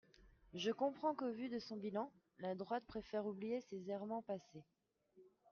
Je comprends qu’au vu de son bilan, la droite préfère oublier ses errements passés.